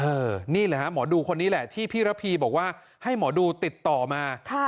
นี่แหละฮะหมอดูคนนี้แหละที่พี่ระพีบอกว่าให้หมอดูติดต่อมา